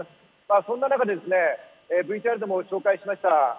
そんな中、ＶＴＲでもご紹介しました。